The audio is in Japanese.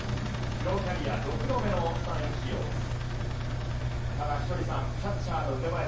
プロキャリア６度目のスタメン起用です。